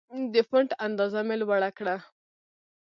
د فونټ اندازه مې لوړه کړه.